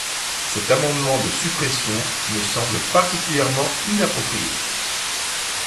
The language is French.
Cet amendement de suppression me semble particulièrement inapproprié.